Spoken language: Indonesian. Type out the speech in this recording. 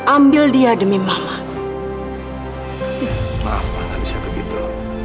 ambil dia demi mama maaf ma gak bisa begitu